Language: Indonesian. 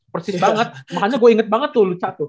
persis banget makanya gue inget banget tuh luca tuh